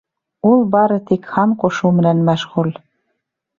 Ул бары тик һан ҡушыу менән мәшғүл.